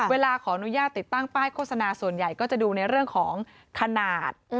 เวลาขออนุญาตติดตั้งป้ายโฆษณาส่วนใหญ่ก็จะดูในเรื่องของขนาด